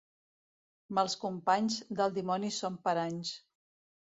Mals companys, del dimoni són paranys.